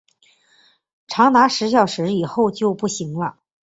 长达十小时以后就不行了